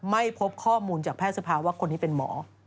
ไม่พบข้อมูลจากแพทย์สภาวะคนนี้เป็นหมอ